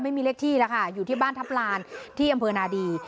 ไม่มีเลขที่แล้วค่ะอยู่ที่บ้านทัพลานที่อำเภอนาดี